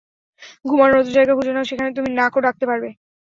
ঘুমানোর নতুন জায়গা খুঁজে নাও, সেখানে তুমি নাকও ডাকতে পারবে।